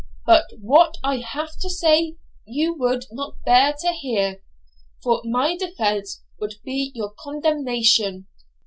But what I have to say you would not bear to hear, for my defence would be your condemnation.